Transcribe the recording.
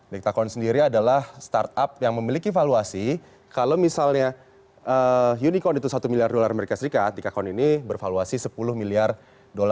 dekakon sendiri adalah startup yang memiliki valuasi kalau misalnya unicorn itu satu miliar usd dikakon ini bervaluasi sepuluh miliar usd